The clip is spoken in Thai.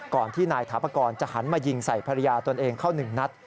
ที่นายถาปกรณ์จะหันมายิงใส่ภรรยาตนเองเข้าหนึ่งนัด